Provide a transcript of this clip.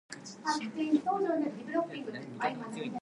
It is known that Theon edited the "Elements" of Euclid.